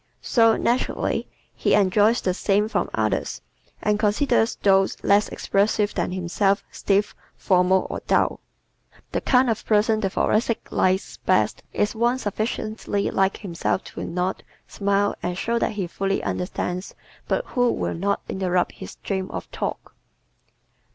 So, naturally, he enjoys the same from others and considers those less expressive than himself stiff, formal or dull. The kind of person the Thoracic likes best is one sufficiently like himself to nod and smile and show that he fully understands but who will not interrupt his stream of talk.